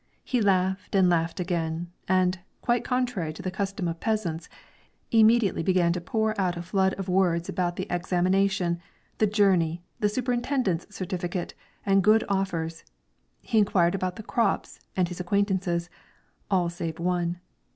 He laughed and laughed again; and, quite contrary to the custom of peasants, immediately began to pour out a flood of words about the examination, the journey, the superintendent's certificate, and good offers; he inquired about the crops and his acquaintances, all save one.